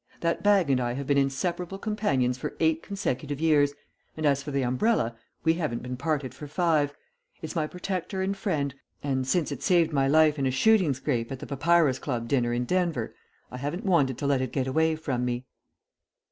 "That bag and I have been inseparable companions for eight consecutive years, and as for the umbrella we haven't been parted for five. It's my protector and friend, and since it saved my life in a shooting scrape at the Papyrus Club dinner in Denver, I haven't wanted to let it get away from me."